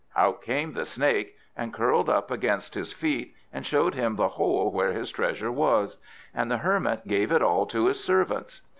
Out came the Snake, and curled up against his feet, and showed him the hole where his treasure was; and the Hermit gave it all to his servants.